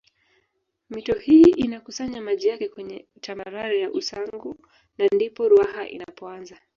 Mito hii inakusanya maji yake kwenye tambarare ya Usangu na ndipo Ruaha inapoanza